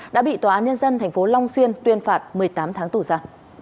đã bị tòa án nhân dân tp long xuyên tuyên phạt một mươi tám tháng tù ra